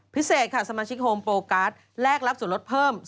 พิเศษค่ะสมาชิกโฮมโฟกัสแลกรับส่วนลดเพิ่ม